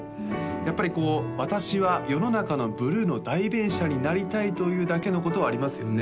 やっぱり「私は世の中のブルーの代弁者になりたい」というだけのことはありますよね